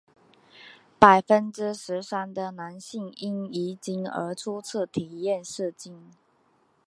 百分之十三的男性因遗精而初次体验射精。